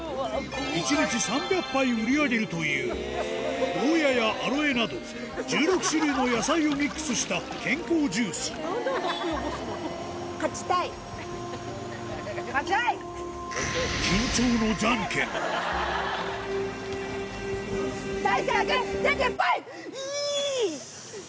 １日３００杯売り上げるというゴーヤーやアロエなど１６種類の野菜をミックスした健康ジュース最初はグジャンケンポイ！